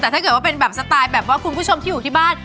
แต่ถ้าเป็นแบบสไตล์แบบว่าคุณคุณผู้ชมที่อยู่ในบ้าน